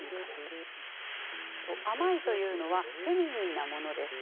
甘いというのはフェミニンなものです。